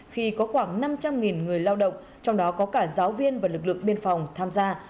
khi có khoảng năm trăm linh người lao động trong đó có cả giáo viên và lực lượng biên phòng tham gia